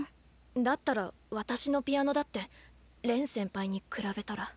だったら私のピアノだって恋先輩に比べたら。